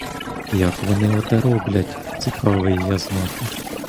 Як вони оте роблять, цікавий я знати?